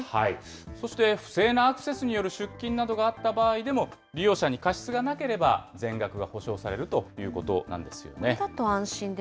そして不正なアクセスによる出金などがあった場合でも、利用者に過失がなければ、全額が補償されるということなんですよね。